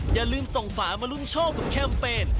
อย่าลืมส่งฝามาลุ้นโชคกับแคมเปญ